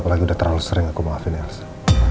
apalagi udah terlalu sering aku maafin yelso